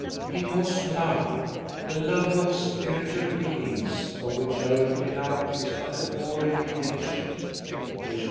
It was love — the love of spiritual beings, of which earthly love is but a poor imitation— which once